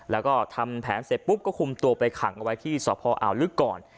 แล้วก็ทำแผนเสร็จปุ๊บก็คุมตัวไปขังเอาไว้ที่สพอ่าวลึกก่อน